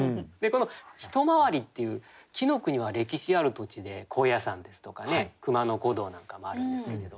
この「一回り」っていう紀国は歴史ある土地で高野山ですとか熊野古道なんかもあるんですけれど。